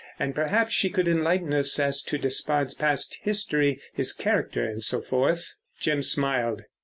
And perhaps she could enlighten us as to Despard's past history, his character—and so forth." Jim smiled.